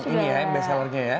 ini ya baselernya ya